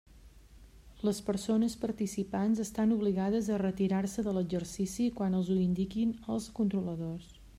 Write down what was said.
Les persones participants estan obligades a retirar-se de l'exercici quan els ho indiquin els controladors.